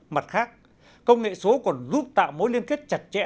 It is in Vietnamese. mặt khác công nghệ số còn giúp tạo mối liên kết chặt chẽ